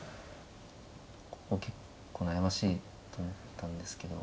ここ結構悩ましいと思ったんですけど。